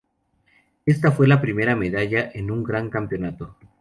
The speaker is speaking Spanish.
Esta fue su primera medalla en un gran campeonato.